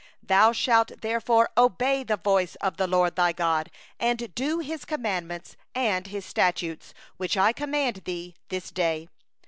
10Thou shalt therefore hearken to the voice of the LORD thy God, and do His commandments and His statutes, which I command thee this day.